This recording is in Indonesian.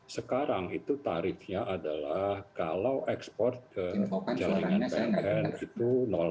sekarang itu tarifnya adalah kalau ekspor ke jalan pln itu enam puluh lima